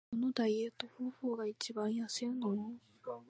どのダイエット方法が一番痩せるの？